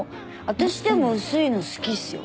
私でも薄いの好きですよ。